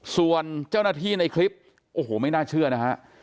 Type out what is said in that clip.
ส่วนเจ้าหน้าที่ในคลิปโอ้โหไม่น่าเชื่อนะฮะ